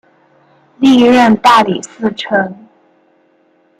历任大理寺丞。